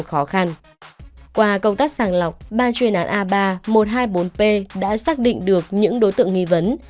qua công tác sàng lọc ban chuyên án a ba một trăm hai mươi bốn p đã xác định được những đối tượng nghi vấn